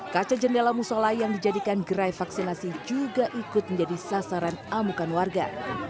kaca jendela musola yang dijadikan gerai vaksinasi juga ikut menjadi sasaran amukan warga